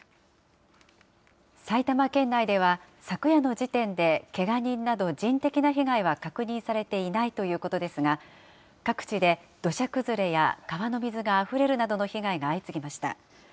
埼玉県内では、昨夜の時点でけが人など、人的な被害は確認されていないということですが、各地で土砂崩れや川の水があふれるなどの被害が相次ぎました。